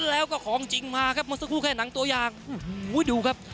แล้วก็ของจริงมาครับเมื่อสักครู่แค่หนังตัวอย่างดูครับ